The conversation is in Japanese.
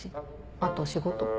あと仕事。